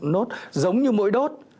nốt giống như mũi đốt